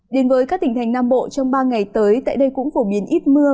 đến với các tỉnh thành nam bộ trong ba ngày tới tại đây cũng phổ biến ít mưa